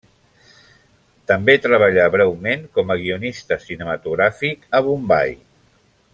També treballà breument com a guionista cinematogràfic a Bombai.